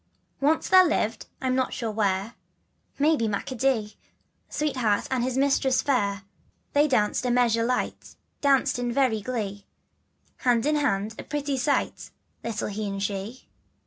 S~\NCE there lived, I'm not sure where, \^/ May be Arcadee, Sweet Heart and his mistress fair, Little He and She ; And they danced a measure light, Danced in very glee. Hand in hand, a pretty sight, Little He and She.